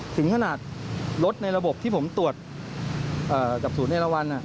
ถึงขนาดรถในระบบที่ผมตรวจกับศูนย์เอราวัน